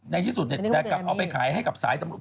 ในที่สุดแต่กลับเอาไปขายให้กับสายตำรวจ